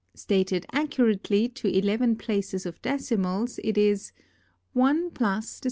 Stated accurately to eleven places of decimals it is (1 + sqrt(5))/2 = 1.